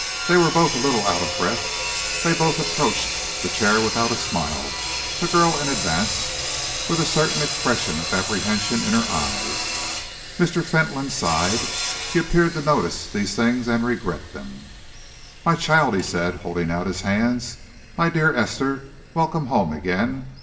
They were both a little out of breath, they both approached the chair without a smile, the girl in advance, with a certain expression of apprehension in her eyes. Mr. Fentolin sighed. He appeared to notice these things and regret them. "My child," he said, holding out his hands, "my dear Esther, welcome home again!